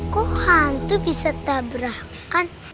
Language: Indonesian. kok hantu bisa tabrahkan